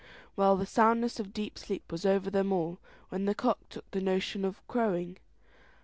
Well, the soundness of deep sleep was over them all, when the cock took a notion of crowing.